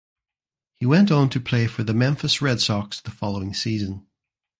He went on to play for the Memphis Red Sox the following season.